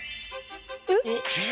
えっ？